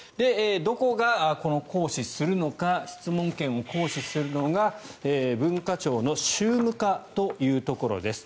どこがこの行使するのか質問権を行使するのが文化庁の宗務課というところです。